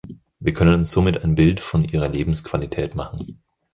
Wir können uns somit ein Bild von ihrer Lebensqualität machen.